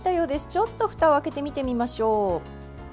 ちょっと、ふたを開けて見てみましょう。